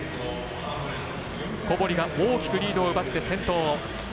小堀が大きくリードを奪って先頭。